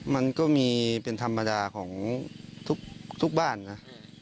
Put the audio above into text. มันก็มีเป็นธรรมดาของทุกบ้านนะ